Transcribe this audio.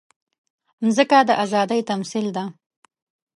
مځکه د ازادۍ تمثیل ده.